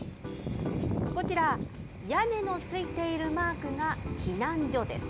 こちら、屋根の付いているマークが避難所です。